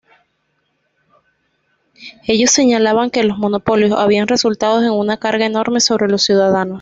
Ellos señalaban que los monopolios habían resultado en una carga enorme sobre los ciudadanos.